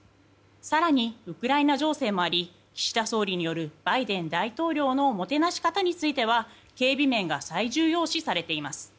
更にウクライナ情勢もあり岸田総理によるバイデン大統領のもてなし方については警備面が最重要視されています。